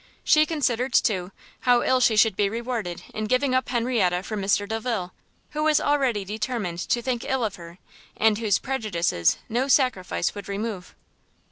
She considered, too, how ill she should be rewarded in giving up Henrietta for Mr Delvile, who was already determined to think ill of her, and whose prejudices no sacrifice would remove.